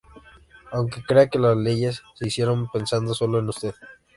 aunque crea que las leyes se hicieron pensando solo en usted